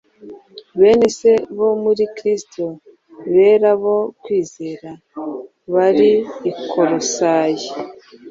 bene Se bo muri Kristo bera bo kwizerwa, bari i Kolosayi,